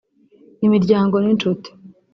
Imiryango n’inshuti